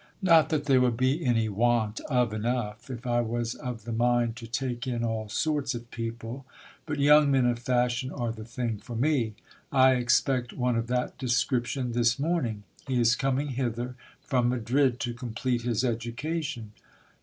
Not that there would be any want of enough, if I was of the mind to take in all sorts of people : but young men of fashion are the thing for me. I expect one of that description this morning : he is coming hither from Madrid to complete his education.